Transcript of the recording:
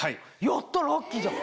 やったラッキーじゃん。